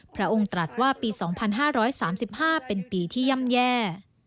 พระองค์ตรัสว่าปี๒๕๓๕เป็นปีที่ย่ำแย่